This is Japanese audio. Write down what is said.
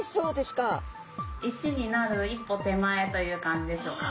石になる一歩手前という感じでしょうか。